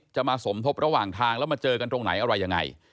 จะมาสมทบระหว่างทางแล้วมาเจอกันตรงไหนอะไรยังไง